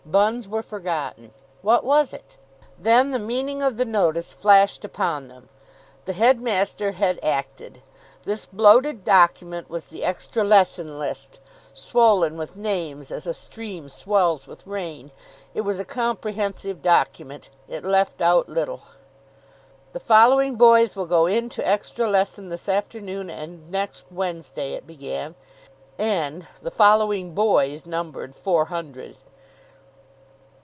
Buns were forgotten. What was it? Then the meaning of the notice flashed upon them. The headmaster had acted. This bloated document was the extra lesson list, swollen with names as a stream swells with rain. It was a comprehensive document. It left out little. "The following boys will go in to extra lesson this afternoon and next Wednesday," it began. And "the following boys" numbered four hundred.